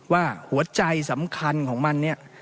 ว่าหัวใจสำคัญของมันเนี่ย